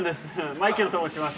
マイケルと申します。